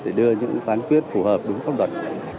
để đưa những phán quyết phù hợp đúng phong đoạn